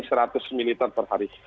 lebih dari seratus militer per hari